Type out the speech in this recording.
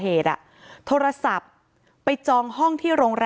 เป็นวันที่๑๕ธนวาคมแต่คุณผู้ชมค่ะกลายเป็นวันที่๑๕ธนวาคม